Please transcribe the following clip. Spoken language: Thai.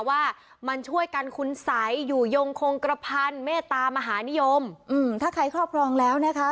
ว่ามันช่วยกันคุณสัยอยู่ยงคงกระพันเมตตามหานิยมถ้าใครครอบครองแล้วนะคะ